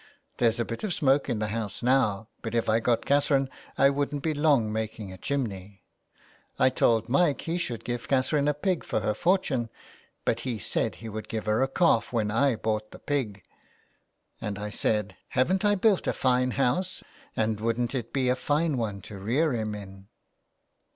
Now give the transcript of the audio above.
There's a bit of smoke in the house now, but if I got Catherine I wouldn't be long making a chimney. I told Mike he should give Catherine a pig for her fortune, but he said he would give her a calf when I bought the pig, and 178 A LETTER TO ROME. I said, ' Havn't I built a fine house and wouldn't it be a fine one to rear him in.'